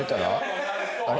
あれ？